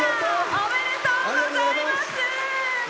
ありがとうございます。